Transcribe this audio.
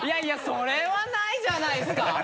それはないじゃないですか！